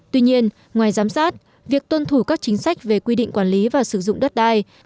tuy nhiên ngoài giám sát việc tuân thủ các chính sách về quy định quản lý và sử dụng đất đai